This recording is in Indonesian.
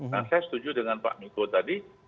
nah saya setuju dengan pak miko tadi